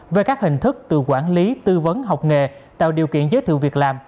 về các hình thức từ quản lý tư vấn học nghề tạo điều kiện giới thiệu việc làm